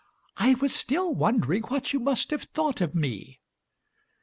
"I was still wondering what you must have thought of me."